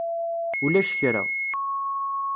Ulac kra.